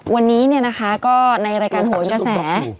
วันนี้เนี่ยนะคะก็ในรายการโหนกระแส